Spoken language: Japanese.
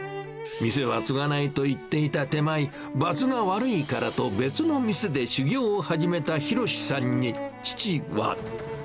店は継がないと言っていた手前、ばつが悪いからと別の店で修業を始めた博さんに、父は。